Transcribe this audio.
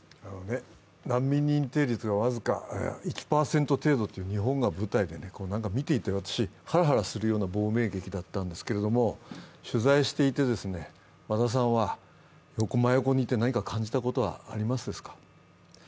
難民認定率が僅か１％という日本が舞台で見ていてハラハラするような亡命劇だったんですけれども、取材していて、和田さんは真横にいて何か感じたことはありますか？